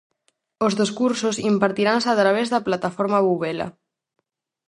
Os dos cursos impartiranse a través da plataforma Bubela.